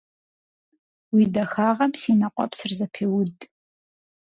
Уи дахагъэм си нэ къуэпсыр зэпеуд.